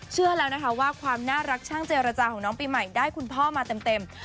เชื่อแล้วนะคะว่าความน่ารักช่างเจรจาของน้องปีใหม่ได้คุณพ่อมาเต็ม